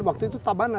waktu itu tabana